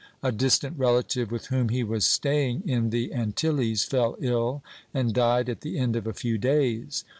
A distant relative, with whom he was staying in the Antilles, fell ill, and died at the end of a few days.